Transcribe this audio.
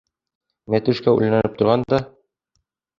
Мәтрүшкә уйланып торған да: